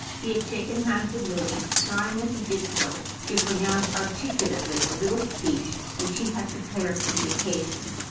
He had shaken hands with Lily, trying as he did so to pronounce articulately a little speech which he had prepared for the occasion.